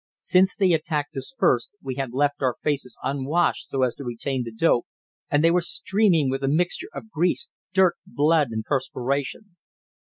Since they attacked us first, we had left our faces unwashed so as to retain the "dope," and they were streaming with a mixture of grease, dirt, blood, and perspiration.